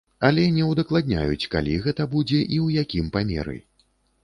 Але не удакладняюць, калі гэта будзе і ў якім памеры.